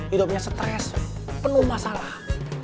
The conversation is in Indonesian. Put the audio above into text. hidupnya stres penuh masalah